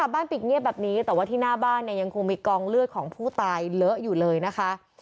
บ้านปิดเงียบแบบนี้แต่ว่าที่หน้าบ้านเนี่ยยังคงมีกองเลือดของผู้ตายเลอะอยู่เลยนะคะ